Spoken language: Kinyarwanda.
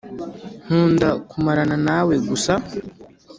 nkunda kumarana nawe gusa